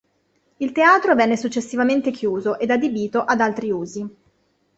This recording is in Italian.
Il teatro venne successivamente chiuso ed adibito ad altri usi.